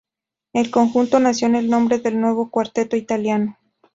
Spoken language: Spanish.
El conjunto nació con el nombre de "Nuevo Cuarteto Italiano.